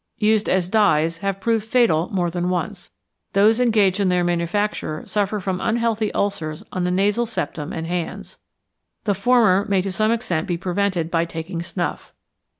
Used as dyes; have proved fatal more than once. Those engaged in their manufacture suffer from unhealthy ulcers on the nasal septum and hands. The former may to some extent be prevented by taking snuff.